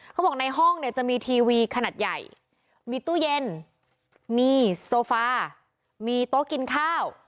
เขาบอกในห้องเนี่ยจะมีทีวีขนาดใหญ่มีตู้เย็นมีโซฟามีโต๊ะกินข้าว